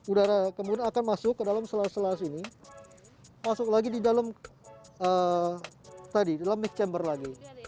udara kemudian akan masuk ke dalam selas selas ini masuk lagi di dalam tadi dalam mix chamber lagi